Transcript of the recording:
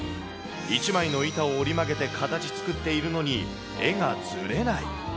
１枚の板を折り曲げてかたちづくっているのに絵がずれない。